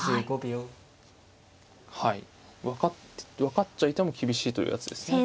分かっちゃいても厳しいというやつですね。